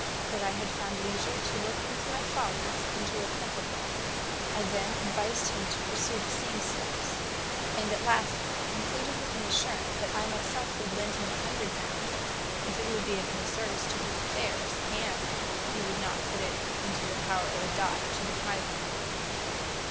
That I had found leisure to look into my follies and to repent of them. I then advised him to pursue the same steps; and at last concluded with an assurance that I myself would lend him a hundred pound, if it would be of any service to his affairs, and he would not put it into the power of a die to deprive him of it.